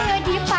nggak di depan